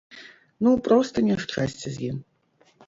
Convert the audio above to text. Ну проста няшчасце з ім.